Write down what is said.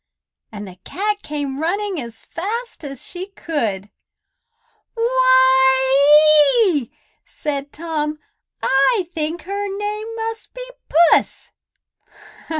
and the cat came running as fast as she could. "Why ee!" said Tom. "I think her name must be Puss."